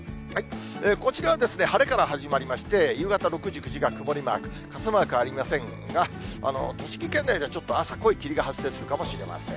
こちらは晴れから始まりまして、夕方６時、９時が曇りマーク。傘マークありませんが、栃木県内がちょっと朝、濃い霧が発生するかもしれません。